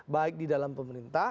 baik di dalam pemerintah